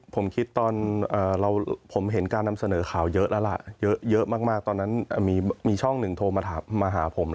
ผมคิดตอนผมเห็นการนำเสนอข่าวเยอะแล้วล่ะเยอะมาก